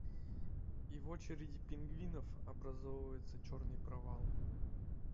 и в очереди пингвинов образовывается черный провал